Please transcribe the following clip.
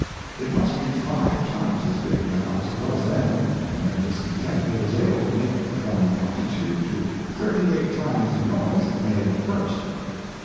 It must be five times as big, now, as it was then, and when discontented it is able to make from twenty two to thirty eight times the noise it made at first.